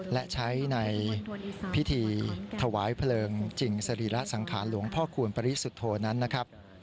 และใช้ในพิธีถวายเพลิงจริงสรีระสังขารหลวงพ่อคูณปริสุทธโธนั้นนะครับ